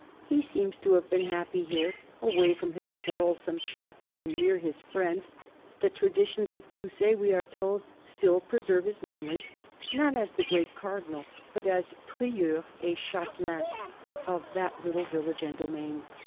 He seems to have been happy here, away from his quarrelsome Chapter and near his friends : the traditions of Coussay, we are told, still preserve his memory ; not as the great Cardinal, but as " prieur et chatelain " of that little village and domain.